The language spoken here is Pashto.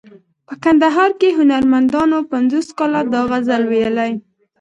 په کندهار کې هنرمندانو پنځوس کاله دا غزل ویلی.